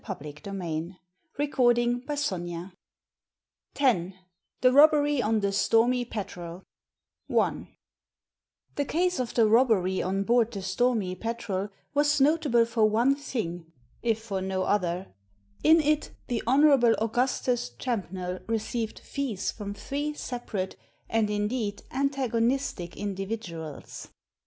Digitized by VjOOQIC THE ROBBERY ON THE "STORMY PETREL" THE case of the robbery on board the Stormy Petrel was notable for one thing if for no other — in it the Hon. Augustus Champnell received fees from three separate and, indeed, antagonistic in dividuals.